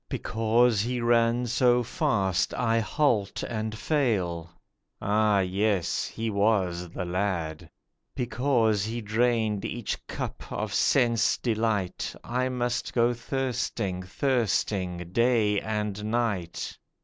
Because he ran so fast, I halt and fail (Ah, yes, he was the lad), Because he drained each cup of sense delight I must go thirsting, thirsting, day and night.